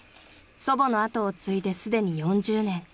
［祖母のあとを継いですでに４０年］